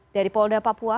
dari polda papua